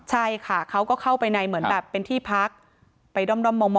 ใช่ค่ะเขาก็เข้าไปในเหมือนแบบเป็นที่พักไปด้อมมอง